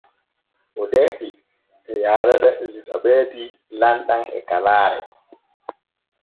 Odeeti e yaarana Elisabeeti lamɗam e kalaare.